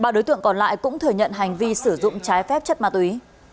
ba đối tượng còn lại cũng thừa nhận hành vi sử dụng trái phép chất ma túy